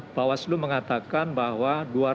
bawaslo mengatakan bahwa